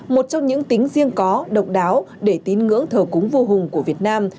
một trong những tính riêng có độc đáo để tín ngưỡng thờ cúng vô hùng của việt nam